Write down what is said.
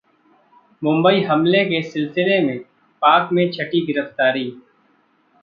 मुंबई हमले के सिलसिले में पाक में छठी गिरफ्तारी